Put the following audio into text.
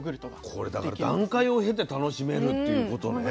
これだから段階を経て楽しめるっていうことね。